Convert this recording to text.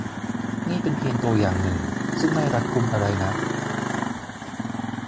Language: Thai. นี่เป็นเพียงตัวอย่างหนึ่งซึ่งไม่รัดกุมอะไรนัก